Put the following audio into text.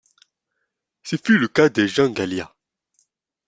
Ce fut le cas de Jean Galia.